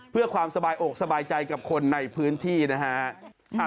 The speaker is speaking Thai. เพื่อความสบายอกสบายใจกับคนในพื้นที่นะฮะ